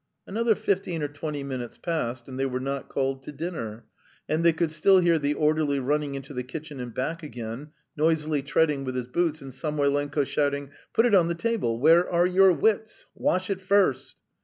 Another fifteen or twenty minutes passed and they were not called to dinner, and they could still hear the orderly running into the kitchen and back again, noisily treading with his boots, and Samoylenko shouting: "Put it on the table! Where are your wits? Wash it first."